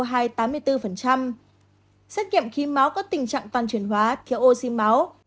xét kiệm khí máu có tình trạng toàn truyền hóa thiếu oxy máu